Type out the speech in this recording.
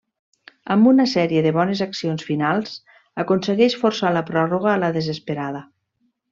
Amb una sèrie de bones accions finals, aconseguix forçar la pròrroga a la desesperada.